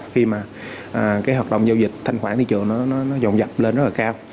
khi mà cái hoạt động giao dịch thanh khoản thị trường nó dọn dập lên rất là cao